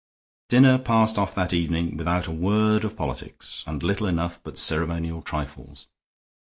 Dinner passed off that evening without a word of politics and little enough but ceremonial trifles.